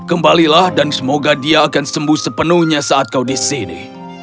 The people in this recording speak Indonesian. kembalilah dan semoga dia akan sembuh sepenuhnya saat kau di sini